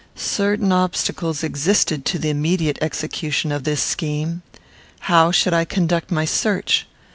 Certain obstacles existed to the immediate execution of this scheme. How should I conduct my search?